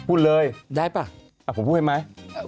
พูดเลยผมพูดให้ไหมได้ป่ะ